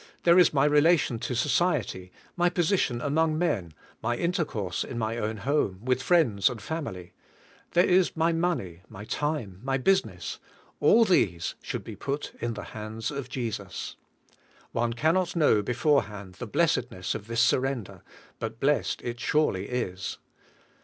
There is my relation to society, my position among men, my intercourse in my own home, with friends and family ; there is my money, my time, my business; all these should be put in the hands of Jesus. One cannot know beforehand the blessedness of this surrender, but blessed it surely is.